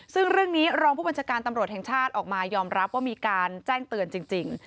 ซึ่งเรื่องนี้รองผู้บัญชาการตำรวจแห่งชาติออกมายอมรับว่ามีการแจ้งเตือนจริง